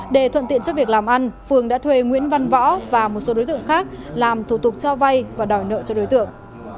để thuận tiện cho việc làm ăn phương đã thuê nguyễn văn võ và một số đối tượng khác làm thủ tục cho vay và đòi nợ cho đối tượng